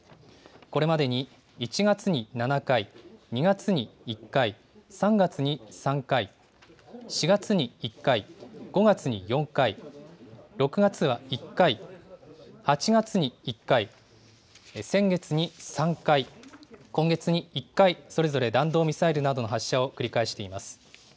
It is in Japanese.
これまでに１月に７回、２月に１回、３月に３回、４月に１回、５月に４回、６月は１回、８月に１回、先月に３回、今月に１回、それぞれ弾道ミサイルなどの発射を繰り返しています。